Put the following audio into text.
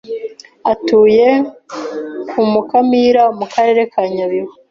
Atuye ku Mukamira mu Karere ka Nyabihu.